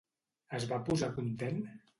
Es va posar content?